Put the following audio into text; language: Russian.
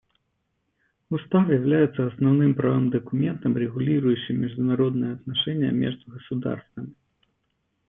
Устав является основным правовым документом, регулирующим международные отношения между государствами.